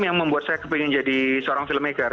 ini yang membuat saya kepingin jadi seorang filmmaker